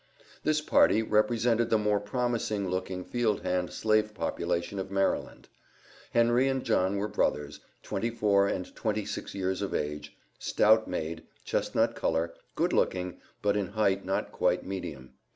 This party represented the more promising looking field hand slave population of Maryland. Henry and John were brothers, twenty four and twenty six years of age, stout made, chestnut color, good looking, but in height not quite medium.